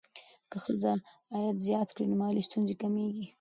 که ښځه عاید زیات کړي، نو مالي ستونزې کمېږي.